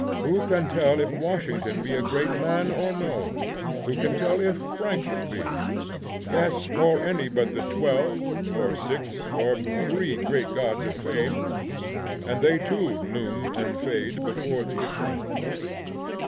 Who can tell if Washington be a great man or no? Who can tell if Franklin be? Yes, or any but the twelve, or six, or three great gods of fame? And they too loom and fade before the eternal.